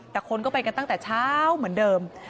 แต่คนก็ไปกันตั้งแต่เช้าเหมือนเดิม